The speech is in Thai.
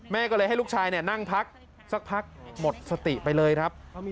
แม่ก็เลยให้ลูกชายนั่งพักสักพักหมดสติไปเลยครับ